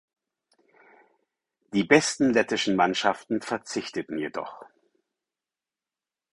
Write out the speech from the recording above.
Die besten lettischen Mannschaften verzichteten jedoch.